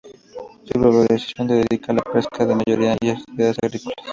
Su población se dedica a la pesca en su mayoría y a actividades agrícolas.